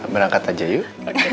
berangkat aja yuk